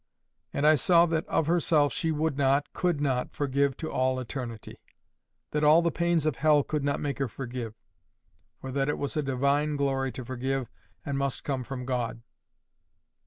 And I saw that of herself she would not, could not, forgive to all eternity; that all the pains of hell could not make her forgive, for that it was a divine glory to forgive, and must come from God.